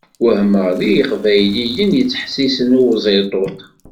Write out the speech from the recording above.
Wehmeɣ deg Iqbayliyen yettḥessisen i Uziṭuṭ!